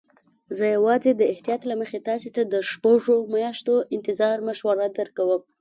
زه یوازې د احتیاط له مخې تاسي ته د شپږو میاشتو انتظار مشوره درکوم.